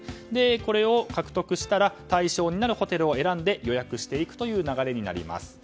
これを獲得したら対象になるホテルを選んで予約していくという流れになります。